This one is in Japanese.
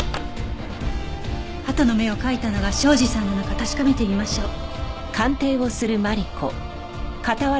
鳩の目を描いたのが庄司さんなのか確かめてみましょう。